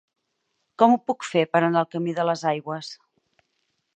Com ho puc fer per anar al camí de les Aigües?